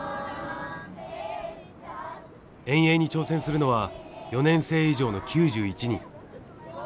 遠泳に挑戦するのは４年生以上の９１人。